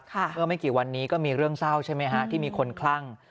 เมื่อไม่กี่วันนี้ก็มีเรื่องเศร้าใช่ไหมฮะที่มีคนคลั่ง